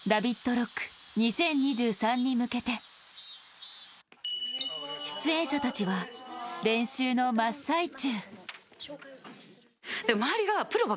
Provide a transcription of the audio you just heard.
ＲＯＣＫ２０２３に向けて出演者たちは練習の真っ最中。